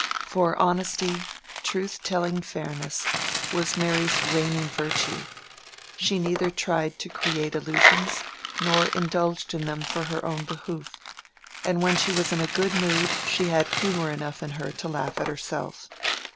For honesty, truth telling fairness, was Mary's reigning virtue: she neither tried to create illusions, nor indulged in them for her own behoof, and when she was in a good mood she had humor enough in her to laugh at herself.